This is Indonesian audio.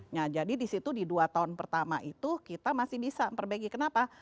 nah jadi di situ di dua tahun pertama itu kita masih bisa memperbaiki kenapa